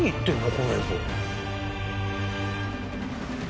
この映像。